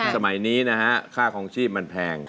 สมัยนี้นะฮะค่าคลองชีพมันแพง